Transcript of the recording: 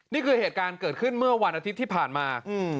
นี่คือเหตุการณ์เกิดขึ้นเมื่อวันอาทิตย์ที่ผ่านมา